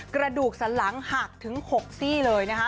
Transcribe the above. กระดูกสันหลังหักถึง๖ซี่เลยนะคะ